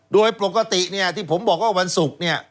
โดยปกติเนี่ยที่ผมบอกว่าวันศุกร์เนี่ย